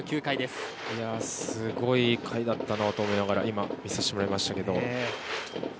すごい回だったなと思いながら今、見させてもらいましたけど。